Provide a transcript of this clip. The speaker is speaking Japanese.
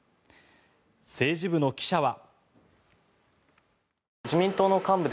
政治部の記者は。